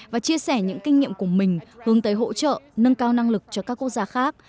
và chia sẻ những kinh nghiệm của mình hướng tới hỗ trợ nâng cao năng lực cho các quốc gia khác